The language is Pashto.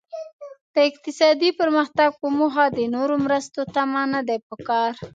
د اقتصادي پرمختګ په موخه د نورو مرستو تمه نده پکار.